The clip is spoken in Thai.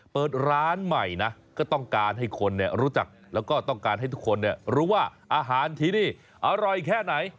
เปิดร้านใหม่นะก็ต้องการให้คนรู้จักแล้วก็ต้องการให้ทุกคนรู้ว่าอาหารที่นี่อร่อยแค่ไหน